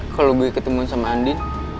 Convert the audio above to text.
kalo gue ketemu sama andi